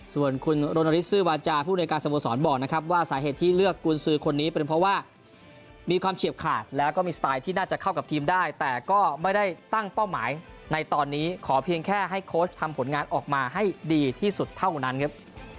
ส่วนคุณรณฤทธซื้อวาจาผู้ในการสโมสรบอกนะครับว่าสาเหตุที่เลือกกุญสือคนนี้เป็นเพราะว่ามีความเฉียบขาดแล้วก็มีสไตล์ที่น่าจะเข้ากับทีมได้แต่ก็ไม่ได้ตั้งเป้าหมายในตอนนี้ขอเพียงแค่ให้โค้ชทำผลงานออกมาให้ดีที่สุดเท่านั้นครับ